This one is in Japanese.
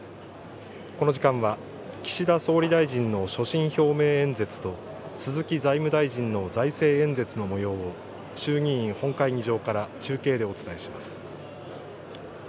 この時間は、岸田総理大臣の所信表明演説と鈴木財務大臣の財政演説のもようを、衆議院本会議場から中継でお伝えします。